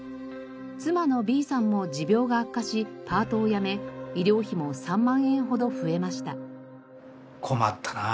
妻のＢさんも持病が悪化しパートを辞め医療費も３万円ほど増えました。